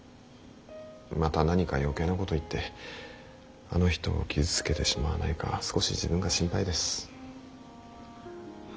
また何か余計なこと言ってあの人を傷つけてしまわないか少し自分が心配です。